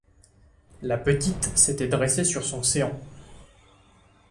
La petite s’était dressée sur son séant.